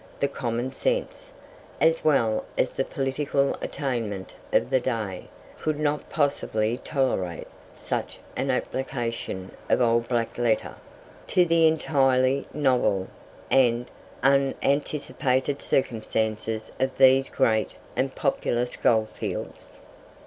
The common sense, as well as the political attainment of the day, could not possibly tolerate such an application of "Old Black Letter" to the entirely novel and unanticipated circumstances of these great and populous goldfields.